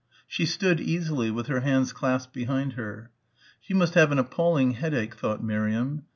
She stood easily with her hands clasped behind her. She must have an appalling headache thought Miriam.